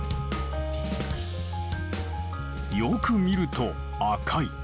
よく見ると赤い。